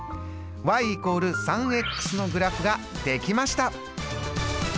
＝３のグラフが出来ました！